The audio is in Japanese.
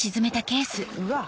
うわっ。